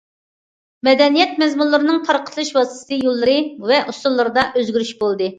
مەدەنىيەت مەزمۇنلىرىنىڭ تارقىتىلىش ۋاسىتىسى، يوللىرى ۋە ئۇسۇللىرىدا ئۆزگىرىش بولدى.